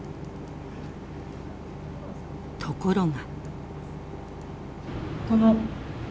ところが。